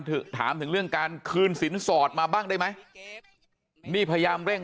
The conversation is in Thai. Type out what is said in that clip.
ถามถึงเรื่องการคืนสินสอดมาบ้างได้ไหมนี่พยายามเร่ง